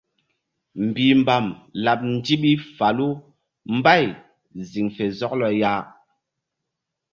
Mbihmbam laɓ ndiɓi falu mbay ziŋ fe zɔklɔ ya.